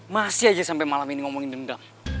masih aja sampe malam ini ngomongin dendam